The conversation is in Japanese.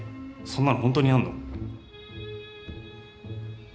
そんなのホントにあんの？